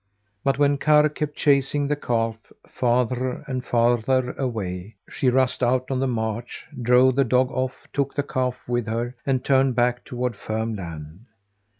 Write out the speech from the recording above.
But when Karr kept chasing the calf farther and farther away, she rushed out on the marsh, drove the dog off, took the calf with her, and turned back toward firm land.